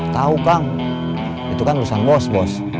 tahu kang itu kan urusan bos bos